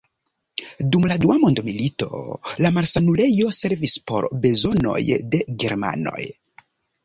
Dum la dua mondmilito la malsanulejo servis por bezonoj de germanoj.